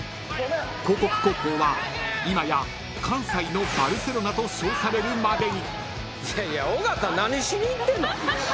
［興國高校は今や関西のバルセロナと称されるまでに］